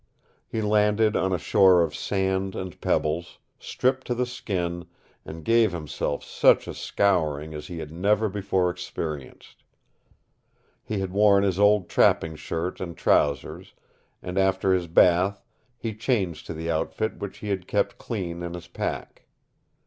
He landed on a shore of sand and pebbles, stripped to the skin, and gave himself such a scouring as he had never before experienced. He had worn his old trapping shirt and trousers, and after his bath he changed to the outfit which he had kept clean in his pack.